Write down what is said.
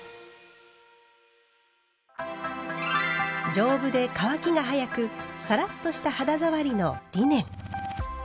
丈夫で乾きが早くサラッとした肌触りのリネン。